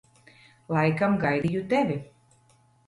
Laikam gaidīju tevi.